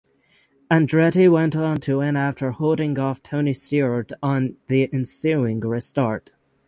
Andretti went on to win after holding off Tony Stewart on the ensuing restart.